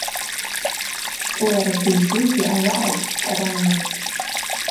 Чӏвыуарабыжь дугьи ауаъа йыгьтшкӏарамызтӏ.